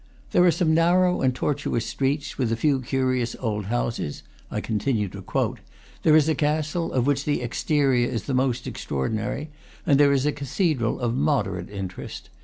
"There are some narrow and tortuous streets, with a few curious old houses," I continue to quote; "there is a castle, of which the ex terior is most extraordinary, and there is a cathedral of moderate interest.